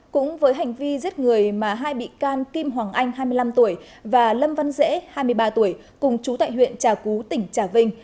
cũng với hành vi giết người mà hai bị can kim hoàng anh hai mươi năm tuổi và lâm văn dễ hai mươi ba tuổi cùng chú tại huyện trà cú tỉnh trà vinh